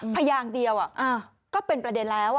พยางเดียวก็เป็นประเด็นแล้ว